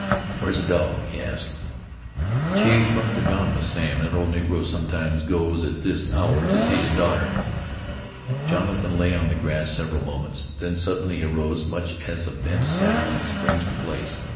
"Where's the dog?" he asked. "Chief must have gone with Sam. The old nigger sometimes goes at this hour to see his daughter." Jonathan lay on the grass several moments; then suddenly he arose much as a bent sapling springs to place.